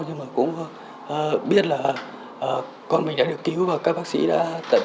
nhưng mà cũng biết là con mình đã được cứu và các bác sĩ đã tận tình